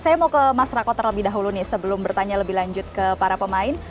saya mau ke mas rako terlebih dahulu nih sebelum bertanya lebih lanjut ke para pemain